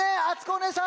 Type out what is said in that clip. おねえさん